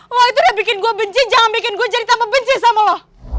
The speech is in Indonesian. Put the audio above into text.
wah itu udah bikin gue benci jangan bikin gue jadi tambah benci sama lo